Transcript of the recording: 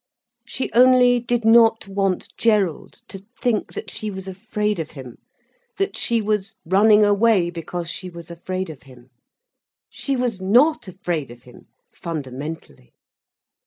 She only did not want Gerald to think that she was afraid of him, that she was running away because she was afraid of him. She was not afraid of him, fundamentally.